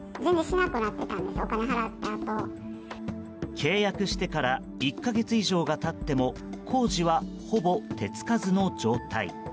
契約してから１か月以上が経っても工事はほぼ手付かずの状態。